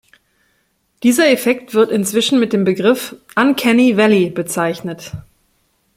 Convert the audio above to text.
Dieser Effekt wird inzwischen mit dem Begriff Uncanny Valley bezeichnet.